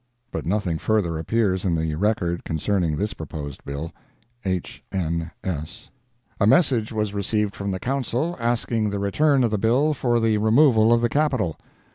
] [But nothing further appears in the record concerning this proposed bill.—H. N. S.] A Message was received from the Council asking the return of the bill for the removal of the Capital.